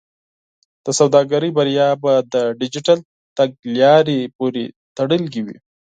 د سوداګرۍ بریا به د ډیجیټل تګلارې پورې تړلې وي.